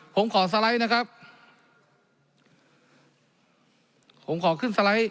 ผมขอสไลด์นะครับ